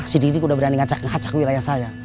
si dik dik udah berani ngacak ngacak wilayah saya